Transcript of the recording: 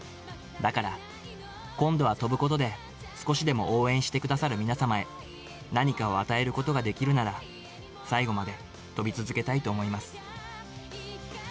だから今度は飛ぶことで少しでも応援してくださる皆様へ、何かを与えられることができるなら、最後まで飛び続けたいと思います。